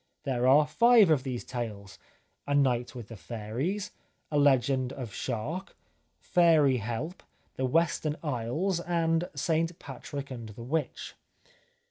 There are five of these tales, " A Night with the Fairies," " A Legend of Shark," " Fairy Help," " The Western Isles," and " St Patrick and the Witch."